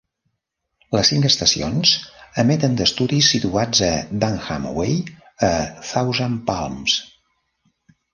Les cinc estacions emeten d'estudis situats a Dunham Way, a Thousand Palms.